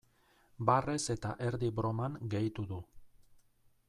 Barrez eta erdi broman gehitu du.